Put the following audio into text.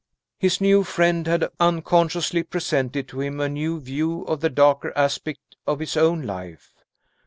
His new friend had unconsciously presented to him a new view of the darker aspect of his own life.